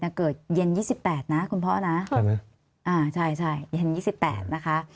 เกิดเย็นยี่สิบแปดนะคุณพ่อนะใช่ไหมอ่าใช่ใช่เย็น๒๘นะคะ